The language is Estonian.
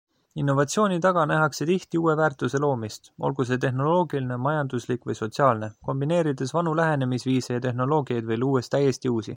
Innovatsiooni taga nähakse tihti uue väärtuse loomist - olgu see tehnoloogiline, majanduslik või sotsiaalne -, kombineerides vanu lähenemisviise ja tehnoloogiaid või luues täiesti uusi.